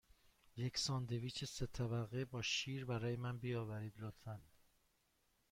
یک ساندویچ سه طبقه با شیر برای من بیاورید، لطفاً.